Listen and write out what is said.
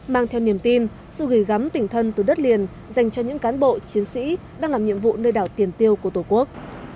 mang theo niềm tin sự gửi gắm tỉnh thân từ đất liền dành cho những cán bộ chiến sĩ đang làm nhiệm vụ nơi đảo tiền tiêu của tổ quốc